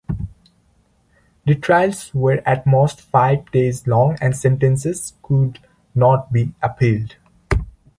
The trials were at most five days long and sentences could not be appealed.